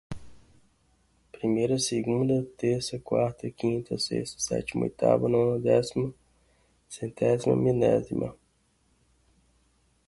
primeira, segunda, terceira, quarta, quinta, sexta, sétima, oitava, nona, décima, centésima, milésima.